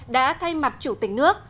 đã thay mặt chủ tịch nước